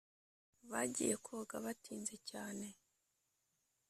Bagiye koga batinze cyane